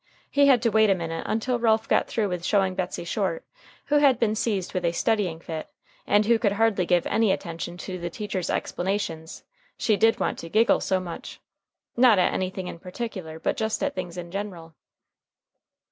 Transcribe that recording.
He had to wait a minute until Ralph got through with showing Betsey Short, who had been seized with a studying fit, and who could hardly give any attention to the teacher's explanations, she did want to giggle so much! Not at anything in particular, but just at things in general.